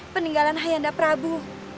peninggalan hayanda prabu